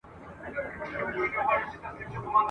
چي دي سوز دی په غزل کي چي لمبه دي هر کلام دی ..